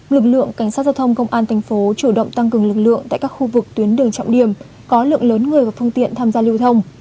lực lượng cảnh sát giao thông công an thành phố chủ động tăng cường lực lượng tại các khu vực tuyến đường trọng điểm có lượng lớn người và phương tiện tham gia lưu thông